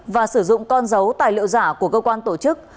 và sử dụng con dấu tài liệu giả của cơ quan tổ chức